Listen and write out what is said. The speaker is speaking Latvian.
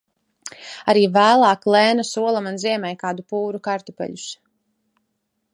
Arī vēlāk Lēna sola man ziemai kādu pūru kartupeļus.